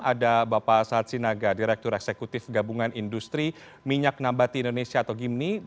ada bapak sat sinaga direktur eksekutif gabungan industri minyak nabati indonesia atau gimni